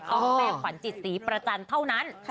ต้องแม่ควันจิตสี่ประจันเท่านั้น